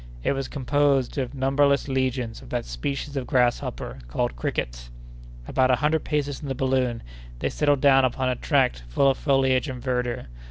It was composed of numberless legions of that species of grasshopper called crickets. About a hundred paces from the balloon, they settled down upon a tract full of foliage and verdure.